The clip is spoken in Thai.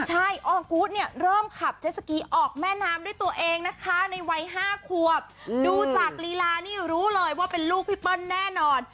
ใช่ออกูธเนี่ยเริ่มขับเจสสกีออกแม่น้ำด้วยตัวเองนะคะในวัย๕ขวบดูจากลีลานี่รู้เลยว่าเป็นลูกพี่เปิ้ลแน่นอน